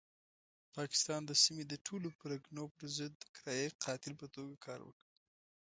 پاکستان د سیمې د ټولو پرګنو پرضد د کرایي قاتل په توګه کار وکړ.